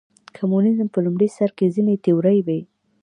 کمونیزم په لومړي سر کې ځینې تیورۍ وې.